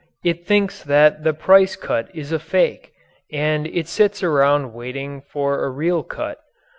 It thinks that the price cut is a fake and it sits around waiting for a real cut.